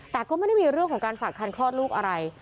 แต่ก็ไม่ได้มีเรื่องของการฝากคันคลอดลูกอะไร